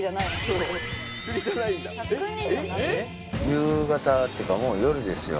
夕方ってかもう夜ですよ。